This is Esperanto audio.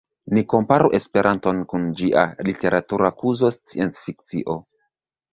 Ni komparu Esperanton kun ĝia literatura kuzo sciencfikcio.